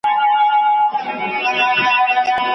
په پردیو که پاللی بیرغ غواړم